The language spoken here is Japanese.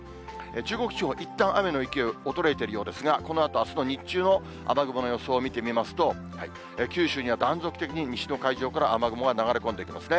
中国地方、いったん雨の勢い、衰えているようですが、このあとあすの日中の雨雲の予想を見てみますと、九州には断続的に西の海上から雨雲が流れ込んできますね。